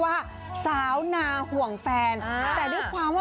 อย่าลืมเข้าค่ะ